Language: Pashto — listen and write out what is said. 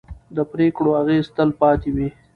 د پرېکړو اغېز تل پاتې وي